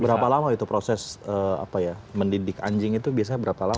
berapa lama itu proses apa ya mendidik anjing itu biasanya berapa lama